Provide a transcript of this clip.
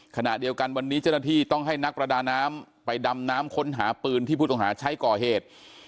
ขณะเดียวกันวันนี้เจ้าหน้าที่ต้องให้นักประดาน้ำไปดำน้ำค้นหาปืนที่ผู้ต้องหาใช้ก่อเหตุ